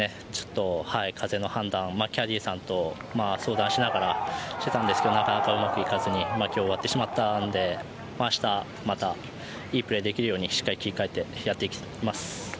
風の判断、キャディーさんと相談しながらしてたんですけどなかなかうまくいかずに今日、終わってしまったので明日、またいいプレーできるようにしっかり切り替えてやっていきます。